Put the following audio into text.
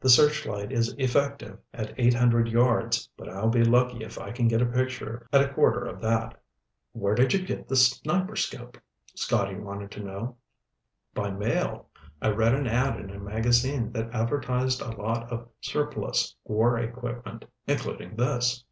The searchlight is effective at eight hundred yards, but I'll be lucky if I can get a picture at a quarter of that." "Where did you get the sniperscope?" Scotty wanted to know. "By mail. I read an ad in a magazine that advertised a lot of surplus war equipment, including this."